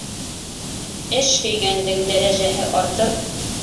Эш һөйгәндең дәрәжәһе артыр